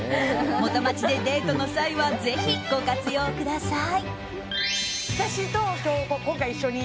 元町でデートの際はぜひご活用ください。